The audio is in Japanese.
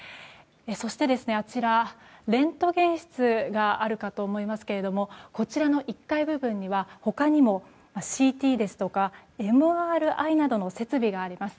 そしてあちら、レントゲン室があるかと思いますがこちらの１階部分には他にもＣＴですとかＭＲＩなどの設備があります。